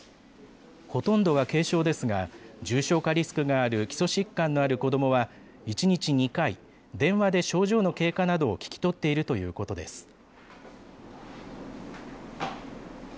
ほとんどは軽症ですが、重症化リスクがある基礎疾患のある子どもは、１日２回、電話で症状の経過などを聞き取っているということです。